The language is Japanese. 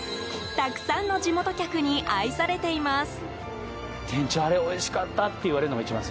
たくさんの地元客に愛されています。